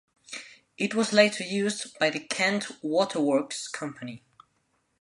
It was later used by the Kent Waterworks company.